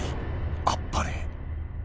あっぱれ。